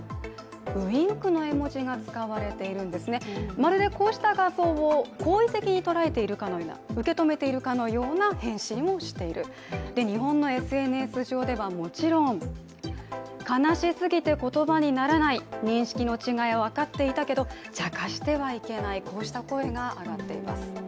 まるでこうした画像を好意的に捉えているかのような、受け止めているかのような返信をしている、日本のＳＮＳ上ではもちろん悲しすぎて言葉にならない、認識の違いは分かっていたけど、ちゃかしてはいけない、こうした声が上がっています。